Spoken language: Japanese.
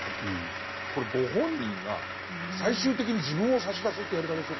これご本人が最終的に自分を差し出すってやり方でしょ。